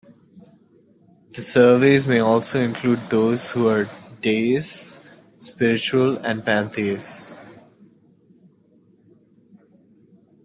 The surveys may also include those who are deists, spiritual and pantheists.